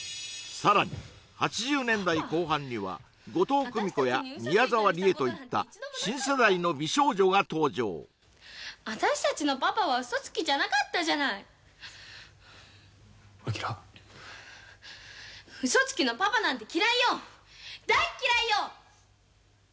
さらに８０年代後半には後藤久美子や宮沢りえといった新世代の美少女が登場私達のパパはウソつきじゃなかったじゃない晶ウソつきのパパなんて嫌いよ大嫌いよ